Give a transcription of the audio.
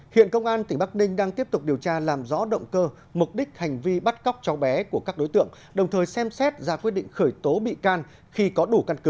hiện công an tỉnh bắc ninh đang tiếp tục điều tra làm rõ động cơ mục đích hành vi bắt cóc cháu bé của các đối tượng đồng thời xem xét ra quyết định khởi tố bị can khi có đủ căn cứ